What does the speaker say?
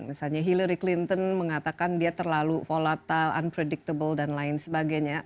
misalnya hillary clinton mengatakan dia terlalu volatile unpredictable dan lain sebagainya